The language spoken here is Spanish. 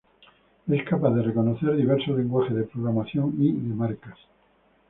Es capaz de reconocer diversos lenguajes de programación y de marcas.